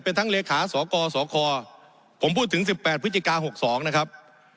เป็นทั้งเลขาสอกอสอคอผมพูดถึงสิบแปดพฤศจิกาหกสองนะครับ